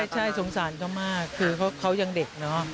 ใช่สงสารเขามากคือเขายังเด็กเนอะ